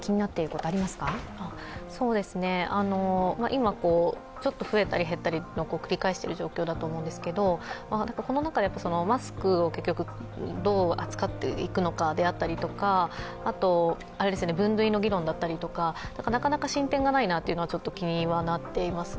今、ちょっと増えたり減ったりを繰り返しているような状況だと思うんですけど、この中で、マスクをどう扱っていくのかだったりとか、分類の議論だったりとかなかなか進展がないなというのは気になっています。